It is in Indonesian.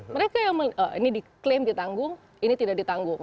mereka yang ini diklaim ditanggung ini tidak ditanggung